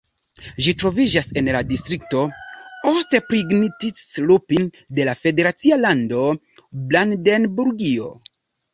Ĝi troviĝas en la distrikto Ostprignitz-Ruppin de la federacia lando Brandenburgio.